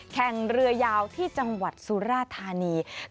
แข่งเรือยาวที่จังหวัดสุราธานี